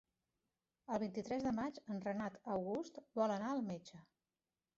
El vint-i-tres de maig en Renat August vol anar al metge.